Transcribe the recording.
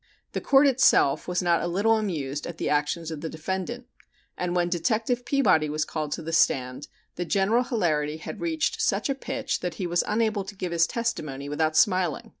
The Court itself was not a little amused at the actions of the defendant, and when Detective Peabody was called to the stand the general hilarity had reached such a pitch that he was unable to give his testimony without smiling.